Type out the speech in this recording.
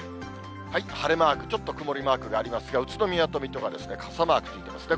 晴れマーク、ちょっと曇りマークがありますが、宇都宮と水戸は傘マークついてますね。